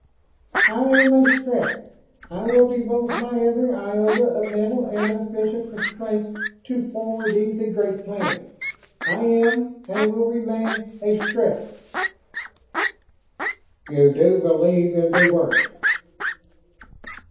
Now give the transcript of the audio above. "I am a Strett. I will devote my every iota of mental and of physical strength to forwarding the Great Plan. I am, and will remain, a Strett." "You do believe in The Words."